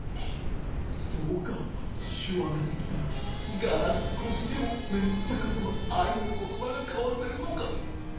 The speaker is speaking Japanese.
そうかしゅわができたらガラスごしでもメッチャカとのあいのことばがかわせるのか。